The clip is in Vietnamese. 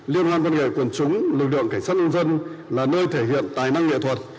liên hoan văn nghệ quần chúng lực lượng cảnh sát nhân dân là nơi thể hiện tài năng nghệ thuật